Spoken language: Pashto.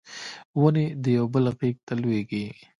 ونې د یو بل غیږ ته لویږي